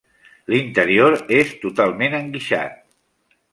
L'interior és totalment enguixat.